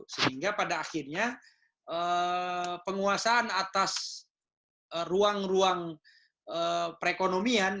sehingga pada akhirnya penguasaan atas ruang ruang perekonomian